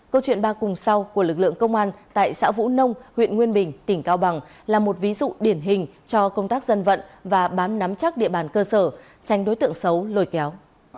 câu chuyện ba cùng sau của lực lượng công an tại xã vũ nông huyện nguyên bình tỉnh cao bằng là một ví dụ điển hình cho công tác dân vận và bám nắm chắc địa bàn cơ sở tránh đối tượng xấu lồi kéo